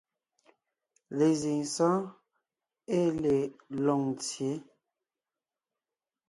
Lezíŋ sɔ́ɔn ée le Lôŋtsyě,